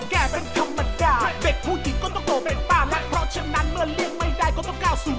แต่ก็มาขึ้นทางนี้